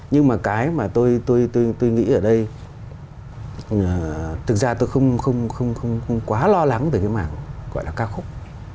nhưng mà cái mà tôi tôi tôi nghĩ ở đây thực ra tôi không không không không quá lo lắng về cái mảng gọi là ca khúc